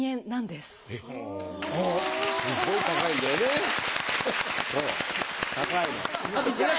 すごい高いんだよね！